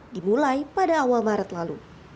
dimulai pada awal maret lalu